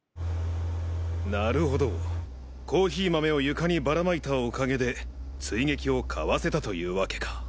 なるほどコーヒー豆を床にばらまいたおかげで追撃をかわせたというワケか。